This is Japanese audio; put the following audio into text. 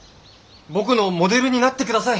僕のモデルになって下さい！